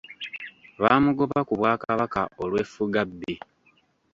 Baamugoba ku bwakabaka olw’effugabbi.